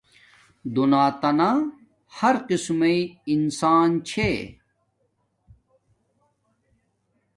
دنیاتانا ہر قسم مݵ انسان چھے